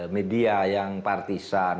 media yang partisan